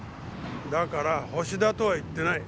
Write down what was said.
だからホシだとは言ってない。